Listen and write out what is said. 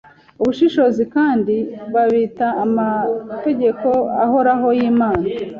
ubushishozi kandi babita amategeko ahoraho yImana